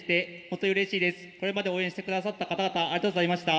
これまで応援して下さった方々ありがとうございました。